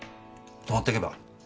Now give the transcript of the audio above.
泊まってけば。